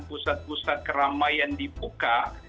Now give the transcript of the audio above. pusat pusat keramaian dibuka